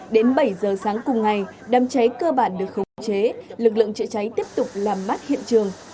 đến bảy giờ sáng cùng ngày đám cháy cơ bản được khống chế lực lượng chữa cháy tiếp tục làm mát hiện trường